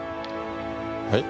はい？